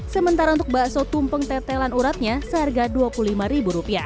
sementara untuk bakso tumpeng tetelan uratnya seharga rp dua puluh lima